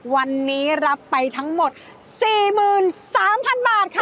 วันนี้รับไปทั้งหมด๔๓๐๐๐บาทค่ะ